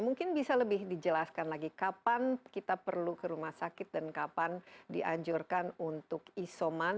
mungkin bisa lebih dijelaskan lagi kapan kita perlu ke rumah sakit dan kapan dianjurkan untuk isoman